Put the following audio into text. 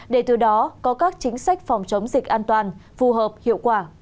để từ đó có các chính sách phòng chống dịch an toàn phù hợp hiệu quả